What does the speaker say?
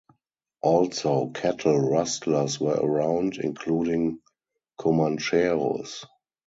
Also, cattle rustlers were around, including Commancheros.